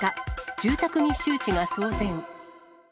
住宅密集地が騒然。